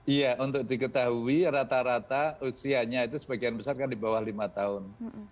iya untuk diketahui rata rata usianya itu sebagian besar kan di bawah lima tahun